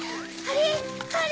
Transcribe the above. あれ？